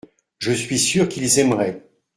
Je suis sûr qu’ils aimeraient.